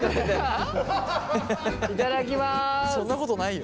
そんなことないよ。